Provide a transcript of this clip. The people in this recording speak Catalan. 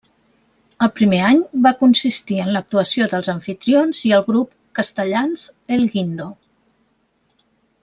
El primer any va consistir en l'actuació dels amfitrions i el grup castellans El Guindo.